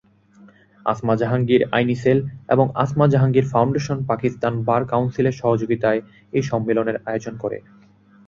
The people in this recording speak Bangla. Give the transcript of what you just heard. আসমা জাহাঙ্গীর আইনী সেল এবং আসমা জাহাঙ্গীর ফাউন্ডেশন পাকিস্তান বার কাউন্সিলের সহযোগিতায় এই সম্মেলনের আয়োজন করে।